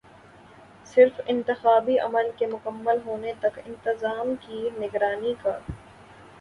صرف انتخابی عمل کے مکمل ہونے تک نظام کی نگرانی کا